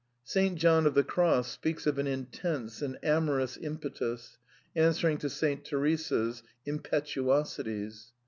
Saint John of the Cross speaks of an ^^ intense and amorous impetus," answering to Saint Teresa's " impetu osities."